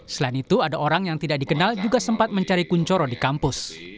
selain itu ada orang yang tidak dikenal juga sempat mencari kunchoro di kampus